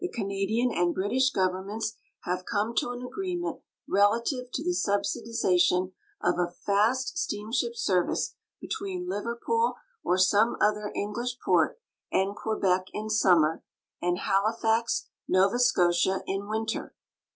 The Canadian and British governments have come to an agreement relative to the subsidization of a fast steamship service between Liverpool, or some other English port, and Quebec in summer, and Halifax, Nova Scotia, in wipter.